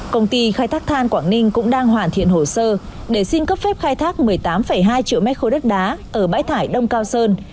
công ty khai thác than quảng ninh cũng đang hoàn thiện hồ sơ để xin cấp phép khai thác một mươi tám hai triệu mét khối đất đá ở bãi thải đông cao sơn